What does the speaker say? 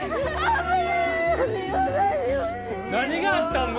何があったん！？